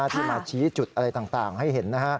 ที่มาชี้จุดอะไรต่างให้เห็น